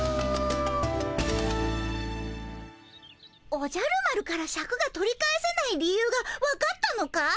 おじゃる丸からシャクが取り返せない理由がわかったのかい？